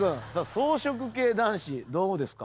草食系男子どうですか？